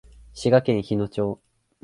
滋賀県日野町